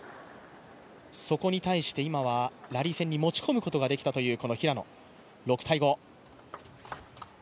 そこに対して今はラリー戦に持ち込むことができたという平野。